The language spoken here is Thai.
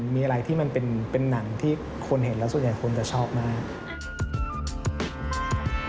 มีอะไรที่มันเป็นหนังที่คนเห็นแล้วส่วนใหญ่คนจะชอบมาก